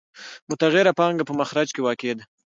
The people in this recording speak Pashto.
متغیره پانګه په مخرج کې واقع ده